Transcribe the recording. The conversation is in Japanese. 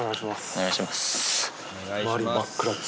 お願いします。